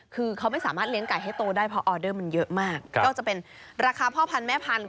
คือเขาไม่สามารถเลี้ยงไก่ให้โตได้เพราะออเดอร์มันเยอะมากก็จะเป็นราคาพ่อพันธุแม่พันธุ